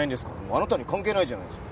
あなたに関係ないじゃないですか。